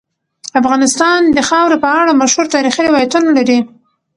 افغانستان د خاوره په اړه مشهور تاریخی روایتونه لري.